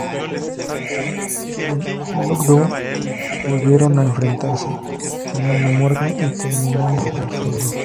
En "Lockdown" volvieron a enfrentarse, ganando Morgan y terminando el feudo.